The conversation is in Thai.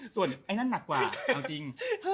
ส่วนไอ้นั่นหนักกว่าเอาจริง